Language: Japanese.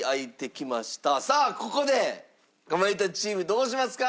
さあここでかまいたちチームどうしますか？